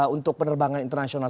untuk penerbangan internasional